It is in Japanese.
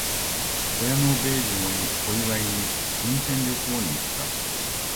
親の米寿のお祝いに、温泉旅行に行った。